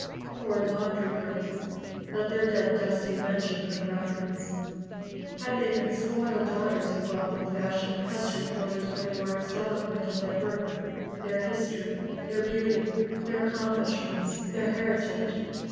Poor laundry girls! Let their dead dust be mentioned with reverence. Had they been spoiled daughters of wealth and fashion, press reporters would have waxed eloquent of their birth, their history, their beauty, their accomplishments, their heritage.